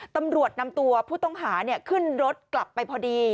ตำรวจนำตัวผู้ต้องหาขึ้นรถกลับไปพอดี